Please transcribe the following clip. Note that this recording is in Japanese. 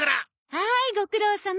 はいご苦労さま。